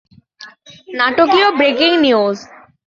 নাটকীয় breaking news.